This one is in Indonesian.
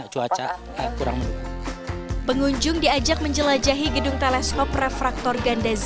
cuaca kurang pengunjung diajak menjelajahi gedung teleskop refraktor ganda zeiss atau yang kenal